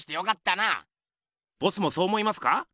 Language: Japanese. ボスもそう思いますか？